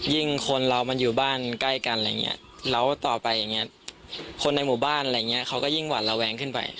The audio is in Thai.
ยิ่งคนเรามันอยู่บ้านใกล้กันแล้วต่อไปคนในหมู่บ้านเขาก็ยิ่งหวั่นระแวงขึ้นไป